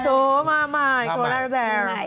โอ้มาใหม่โคราชแบบนี้